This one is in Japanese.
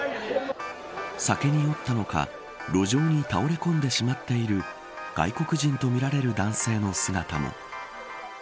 酒に酔ったのか路上に倒れ込んでしまっている外国人とみられる男性の姿も。